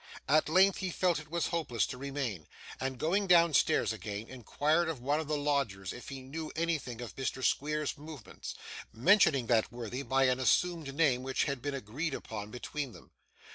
At length he felt it was hopeless to remain, and going downstairs again, inquired of one of the lodgers if he knew anything of Mr. Squeers's movements mentioning that worthy by an assumed name which had been agreed upon between them.